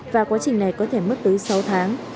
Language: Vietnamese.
và quá trình này có thể mất tới sáu tháng